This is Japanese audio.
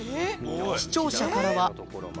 視聴者からは